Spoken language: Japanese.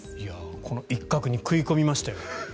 この一角に食い込みましたよ。